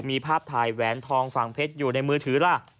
มีภาพถ่ายแหวนทองฝั่งเพชรอยู่ในมือถือล่ะ